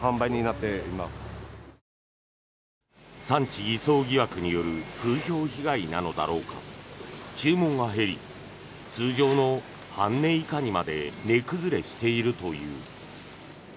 産地偽装疑惑による風評被害なのだろうか注文が減り通常の半値以下にまで値崩れしているという。